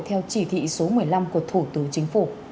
theo chỉ thị số một mươi năm của thủ tướng chính phủ